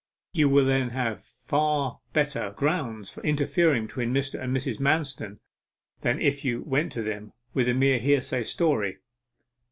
You will then have far better grounds for interfering between Mr. and Mrs. Manston than if you went to them with a mere hearsay story.